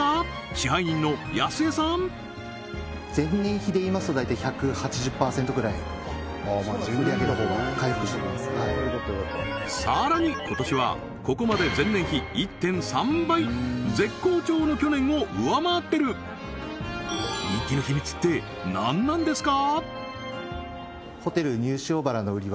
支配人の安江さんさらに今年はここまで前年比１．３倍絶好調の去年を上回ってる人気の秘密って何なんですか？